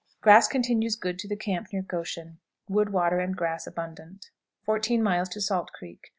Grass continues good to the camp near Goshen. Wood, water, and grass abundant. 14. Salt Creek.